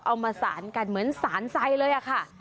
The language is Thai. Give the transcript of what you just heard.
เอามาสารกันเหมือนสารไซเลยค่ะ